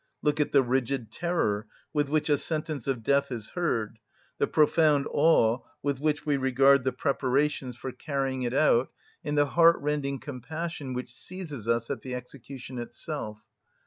Look at the rigid terror with which a sentence of death is heard, the profound awe with which we regard the preparations for carrying it out, and the heartrending compassion which seizes us at the execution itself.